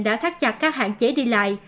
đã thắt chặt các hạn chế đi lại